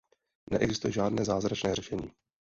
Neexistuje žádné zázračné řešení.